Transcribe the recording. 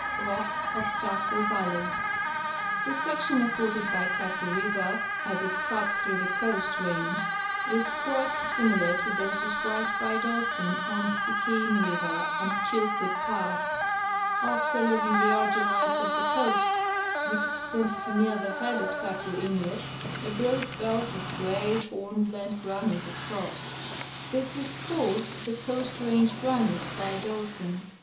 Rocks of Taku Valley.— T\ie section afforded by Taku river as it cuts through the Coast range is quite similar to those described by Dawson on Stikine river and Chilkoot pass. After leaving the argillites of the coast, which extend to near the head of Taku irdet, a broad belt of gray hornblende granite is crossed ] this is called the Coast Range granite by Dawson.